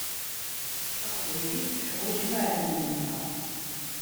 Taqbaylit teḥwaǧ imɛelmen-nneɣ.